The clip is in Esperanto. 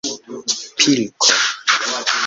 pilko